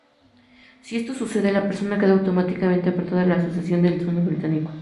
Si esto sucede, la persona queda automáticamente apartada de la sucesión al trono británico.